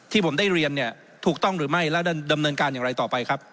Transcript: ผมได้เรียนเนี่ยถูกต้องหรือไม่และดำเนินการอย่างไรต่อไปครับ